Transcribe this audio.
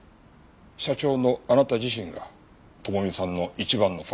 社長のあなた自身が智美さんの一番のファンだった。